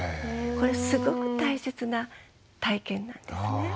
これはすごく大切な体験なんですね。